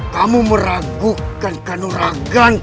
kamu meragukan kanuraganku